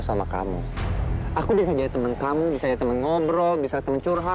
sampai jumpa di video selanjutnya